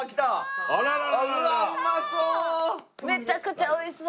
めちゃくちゃ美味しそう。